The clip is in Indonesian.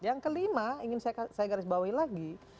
yang kelima ingin saya garis bawahi lagi